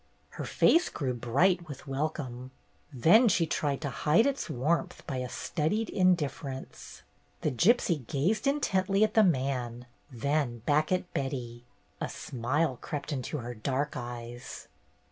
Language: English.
Her face grew bright with welcome. Then she tried to hide its warmth by a studied indifference. The gypsy gazed intently at the man, then back at Betty. A smile crept into her dark eyes.